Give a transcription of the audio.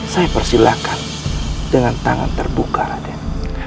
saya persilahkan dengan tangan terbuka raden